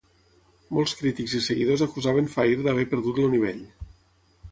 Molts crítics i seguidors acusaven Phair d'haver perdut el nivell.